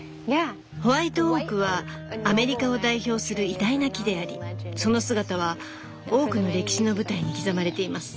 ホワイトオークはアメリカを代表する偉大な木でありその姿は多くの歴史の舞台に刻まれています。